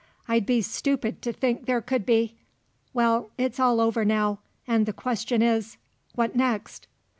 I'd be stupid to think there could be. Well, it's all over now, and the question is: what next?"